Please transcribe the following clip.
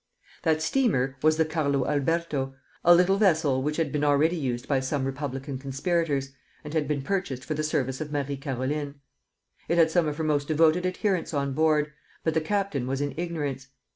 That steamer was the "Carlo Alberto," a little vessel which had been already used by some republican conspirators, and had been purchased for the service of Marie Caroline. It had some of her most devoted adherents on board, but the captain was in ignorance.